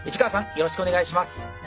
よろしくお願いします。